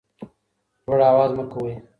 لوړ اواز مه کوئ.